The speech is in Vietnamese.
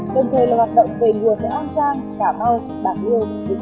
đồng thời là hoạt động về nguồn với an giang cà mau bạc điênh